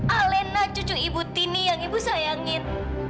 alena cucu ibu tini yang ibu sayangin